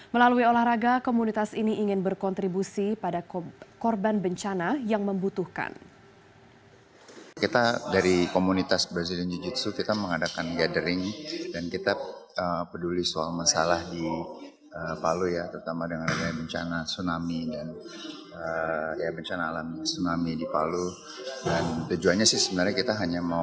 melalui olahraga komunitas ini ingin berkontribusi pada korban bencana yang membutuhkan